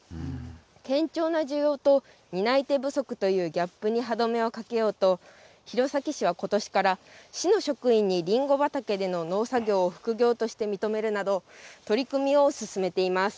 堅調な需要と担い手不足というギャップに歯止めをかけようと、弘前市はことしから市の職員にりんご畑での農作業を副業として認めるなど、取り組みを進めています。